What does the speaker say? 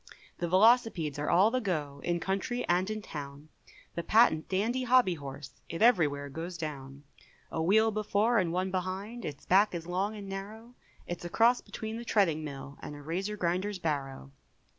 The Velocipedes are all the go, In country and in town, The patent dandy hobby horse It every where goes down; A wheel before and one behind, Its back is long and narrow, It's a cross between the treading mill, And a Razor Grinder's barrow.